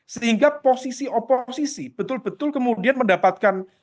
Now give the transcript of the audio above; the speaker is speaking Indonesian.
sehingga posisi oposisi betul betul kemudian mendapatkan